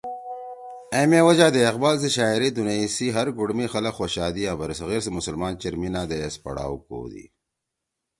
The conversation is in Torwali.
ائں مے وجہ دے اقبال سی شاعری دُونیئی سی ہر گُوڑ می خلگ خوشادی آں برصغیر سی مسلمان چیر میِنا دے ایس پڑھاؤ کودی